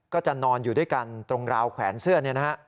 ก็จะนอนอยู่ด้วยกันตรงราวแขวนเสื้อ